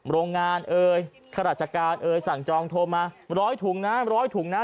โรงงานเอ้ยขราชการเอ้ยสั่งจองโทรมา๑๐๐ถุงนะ๑๐๐ถุงนะ